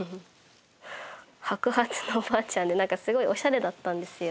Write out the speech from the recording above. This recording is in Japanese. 白髪のおばあちゃんで何かすごいオシャレだったんですよ。